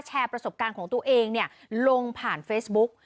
แชร์ประสบการณ์ของตัวเองลงผ่านเฟซบุ๊ก